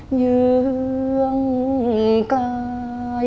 เหยื่องกาย